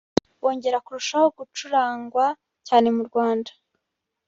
bongera kurushaho gucurangwa cyane mu Rwanda